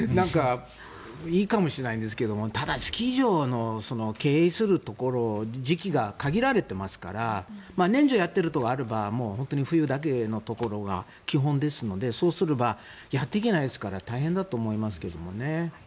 いいかもしれないんですけどもただ、スキー場を経営するところ時期が限られていますから年中やっているところもあれば冬場だけのところが基本ですので、そうすればやっていけないですから大変だと思いますけどね。